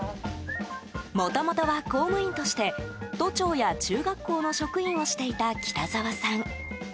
もともとは公務員として都庁や中学校の職員をしていた北澤さん。